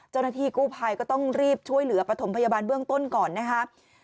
เจ้าหน้าที่กู้ภัยก็ต้องรีบช่วยเหลือปฐมพยาบาลเบื้องต้นก่อนนะครับ